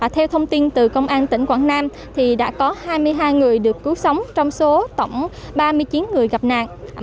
theo thông tin từ công an tỉnh quảng nam đã có hai mươi hai người được cứu sống trong số tổng ba mươi chín người gặp nạn